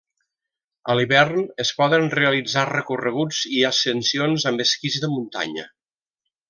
A l'hivern es poden realitzar recorreguts i ascensions amb esquís de muntanya.